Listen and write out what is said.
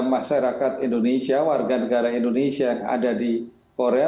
masyarakat indonesia warga negara indonesia yang ada di korea